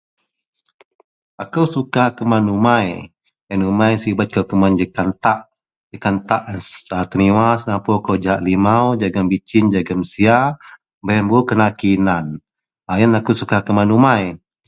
Ako suka keman umai iyen umai sibet kou kuman jekan tak jekan tak tenewa senapur kou jahak jegem limau jegem visin jegem sia barouk kena kinan iyen akou suka keman umai.